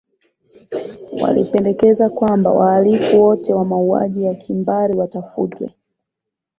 walipendekeza kwamba wahalifu wote wa mauaji ya kimbari watafutwe